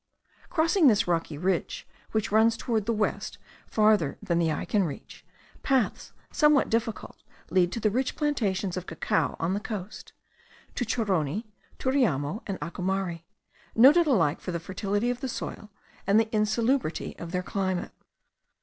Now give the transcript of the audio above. Crossing this rocky ridge, which runs towards the west farther than the eye can reach, paths somewhat difficult lead to the rich plantations of cacao on the coast, to Choroni, Turiamo, and Ocumare, noted alike for the fertility of the soil and the insalubrity of their climate.